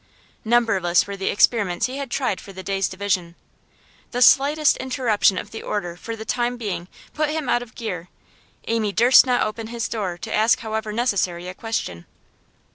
Numberless were the experiments he had tried for the day's division. The slightest interruption of the order for the time being put him out of gear; Amy durst not open his door to ask however necessary a question.